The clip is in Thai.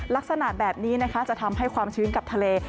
ลักษณะแบบนี้นะคะจะทำให้ความชื้นกับทะเล